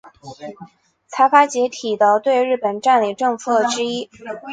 财阀解体的对日本占领政策之一。